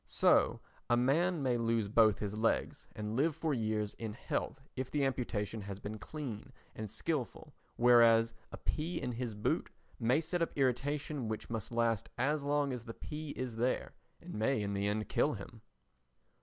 So a man may lose both his legs and live for years in health if the amputation has been clean and skilful, whereas a pea in his boot may set up irritation which must last as long as the pea is there and may in the end kill him.